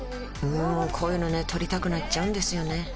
こういうのね撮りたくなっちゃうんですよね